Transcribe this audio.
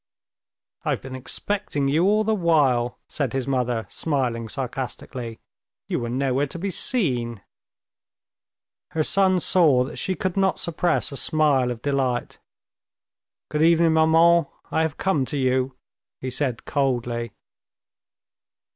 "I've been expecting you all the while," said his mother, smiling sarcastically. "You were nowhere to be seen." Her son saw that she could not suppress a smile of delight. "Good evening, maman. I have come to you," he said coldly.